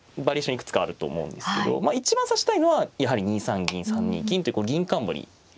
いくつかあると思うんですけど一番指したいのはやはり２三銀３二金という銀冠の形ですね。